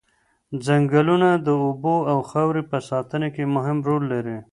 ځنګلونه د اوبو او خاورې په ساتنه کې مهم رول لري.